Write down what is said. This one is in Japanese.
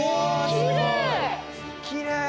きれい！